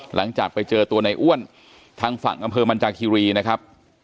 หลังจากไปเจอตัวในอ้วนทางฝั่งอำเภอมันจากคิรีนะครับ